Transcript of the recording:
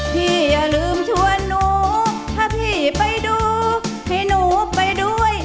อย่าลืมชวนหนูถ้าพี่ไปดูให้หนูไปด้วย